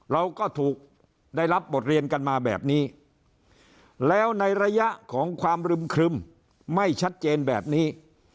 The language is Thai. เราก็ถูกได้รับบทเรียนกันมาแบบนี้แล้วในระยะของความรึมครึมไม่ชัดเจนแบบนี้